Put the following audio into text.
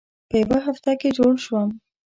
په یوه هفته کې جوړ شوم.